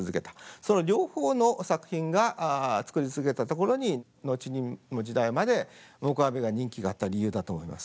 その両方の作品が作り続けたところに後の時代まで黙阿弥が人気があった理由だと思います。